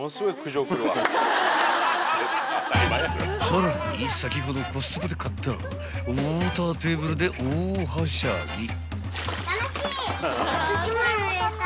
［さらに先ほどコストコで買ったウォーターテーブルで大はしゃぎ］